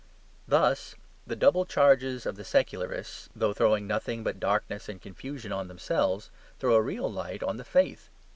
Thus, the double charges of the secularists, though throwing nothing but darkness and confusion on themselves, throw a real light on the faith.